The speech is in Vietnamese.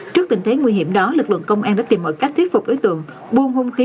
trước tình thế nguy hiểm đó lực lượng công an đã tìm mọi cách thuyết phục đối tượng buôn hung khí